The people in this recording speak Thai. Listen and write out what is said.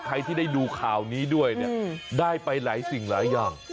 ใครที่ได้ดูข่าวนี้ด้วยเนี่ยได้ไปหลายสิ่งหลายอย่าง